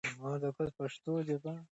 هر بــچی ېي قـــهــــــــرمان دی